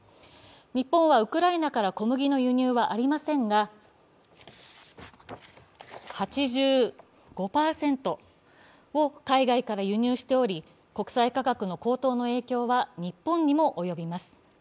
日本はウクライナから小麦の輸入はありませんが、８５％を海外から輸入しており、国際価格の高騰の影響は日本にもおよびます。